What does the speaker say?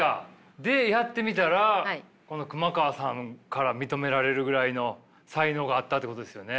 でやってみたら熊川さんから認められるぐらいの才能があったってことですよね。